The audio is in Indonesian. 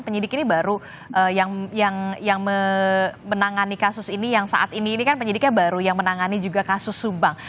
penyidik ini baru yang menangani kasus ini yang saat ini ini kan penyidiknya baru yang menangani juga kasus subang